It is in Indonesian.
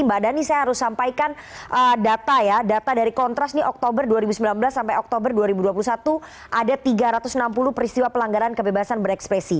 mbak dhani saya harus sampaikan data ya data dari kontras ini oktober dua ribu sembilan belas sampai oktober dua ribu dua puluh satu ada tiga ratus enam puluh peristiwa pelanggaran kebebasan berekspresi